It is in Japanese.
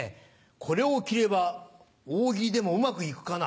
これを着れば「大喜利」でもうまく行くかな？